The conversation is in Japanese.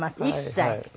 １歳。